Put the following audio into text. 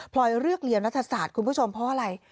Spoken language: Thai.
ลอยเลือกเรียนรัฐศาสตร์คุณผู้ชมเพราะอะไร